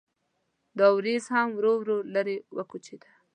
دا وریځ هم ورو ورو لرې وکوچېده.